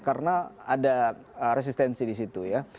karena ada resistensi di situ ya